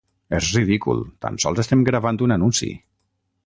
És ridícul, tan sols estem gravant un anunci.